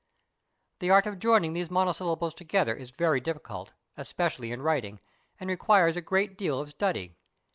The art of joining these monosyllables together is very difficult, especially in writing, and requires a great deal of study.